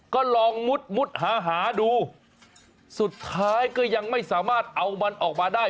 ก็ลองมุดมุดหาหาดูสุดท้ายก็ยังไม่สามารถเอามันออกมาได้